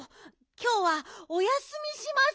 きょうはお休みします。